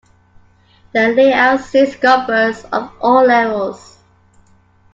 The layout suits golfers of all levels.